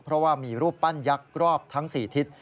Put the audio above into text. เพราะว่ามีรูปปั้นยักษ์รอบทั้ง๔ทิศ